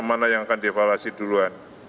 mana yang akan dievaluasi duluan